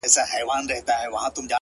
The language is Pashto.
ورور مي دی هغه دی ما خپله وژني _